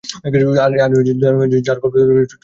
আরে যার অল্প বয়সেই চুল পেকে গিয়েছিল?